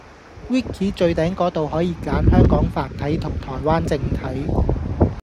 Wiki 最頂果度可以揀香港繁體同台灣正體